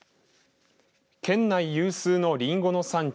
県内有数のりんごの産地